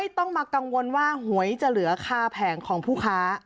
ต้องมากังวลว่าหวยจะเหลือค่าแผงของผู้ค้า